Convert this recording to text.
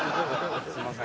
すんません。